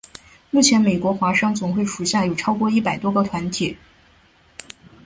目前美国华商总会属下有超过一百多个团体。